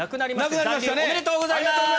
ありがとうございます！